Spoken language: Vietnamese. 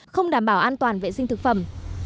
không đảm bảo an toàn vệ sinh thực phẩm